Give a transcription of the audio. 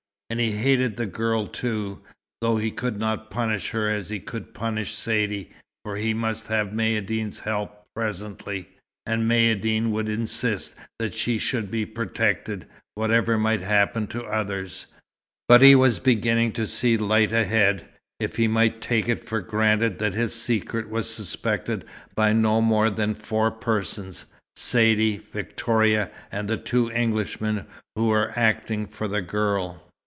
And he hated the girl, too, though he could not punish her as he could punish Saidee, for he must have Maïeddine's help presently, and Maïeddine would insist that she should be protected, whatever might happen to others. But he was beginning to see light ahead, if he might take it for granted that his secret was suspected by no more than four persons Saidee, Victoria, and the two Englishmen who were acting for the girl.